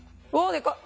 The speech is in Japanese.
でかっ！